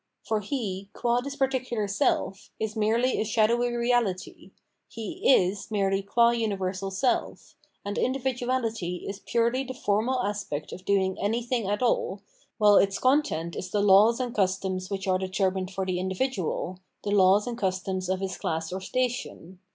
For he, guch this particular seH, is merely a shadowy reahty; he is merely qua universal self, and indi viduality is purely the formal aspect of doing anything at all, while its content is the laws and customs which are determined for the individual, the laws and customs of his class or station.